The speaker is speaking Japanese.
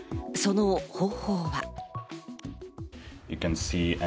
その方法は。